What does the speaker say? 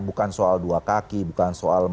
bukan soal dua kaki bukan soal